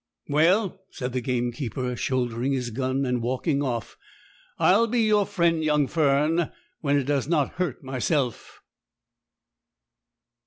'Well,' said the gamekeeper, shouldering his gun, and walking off, 'I'll be your friend, young Fern, when it does not hurt myself.'